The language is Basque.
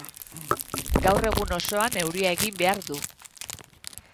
Gaur egun osoan euria egin behar du.